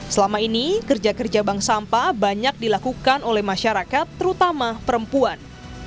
selama ini kerja kerja bank sampah banyak dilakukan oleh masyarakat terutama perempuan